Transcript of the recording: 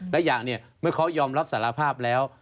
และอย่างเนี่ยเมื่อเขายอมรับสารภาพแล้ว